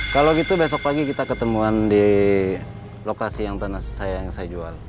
kalau gitu besok pagi kita ketemuan di lokasi yang saya jual